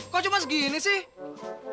kok cuma segini sih